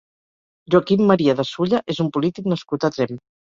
Joaquim Maria de Sulla és un polític nascut a Tremp.